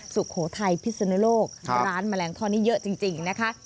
สุโขทัยพิศนุโลกร้านแมลงท่อนี้เยอะจริงนะคะ